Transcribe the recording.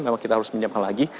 memang kita harus menyiapkan lagi